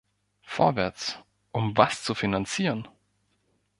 Vorwärts, um was zu finanzieren?